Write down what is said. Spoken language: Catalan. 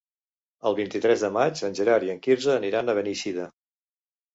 El vint-i-tres de maig en Gerard i en Quirze aniran a Beneixida.